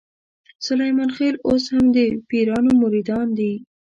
سلیمان خېل اوس هم د پیرانو مریدان دي.